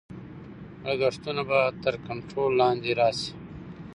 لګښتونه به تر کنټرول لاندې راشي.